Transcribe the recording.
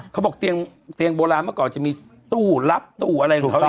เขาบอกเตียงโบราณเมื่อก่อนจะมีตู้รับตู้อะไรของเขาอยู่